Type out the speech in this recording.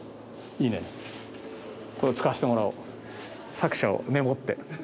作者をメモって。